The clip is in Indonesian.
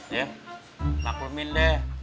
ya takut mending